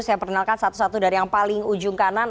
saya perkenalkan satu satu dari yang paling ujung kanan